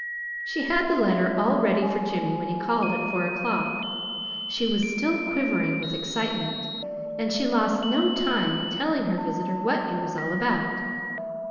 She had the letter all ready for Jimmy when he called at four o'clock. She was still quivering with excitement, and she lost no time in telling her visitor what it was all about.